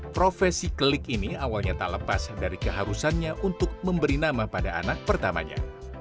profesi klik ini awalnya tak lepas dari keharusannya untuk memberi nama pada anak pertamanya